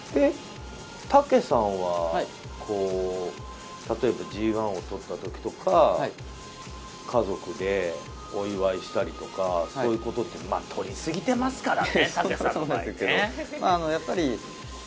武さんは例えばＧ１を取ったときとか、家族でお祝いしたりとか、そういうことって取り過ぎてますからね。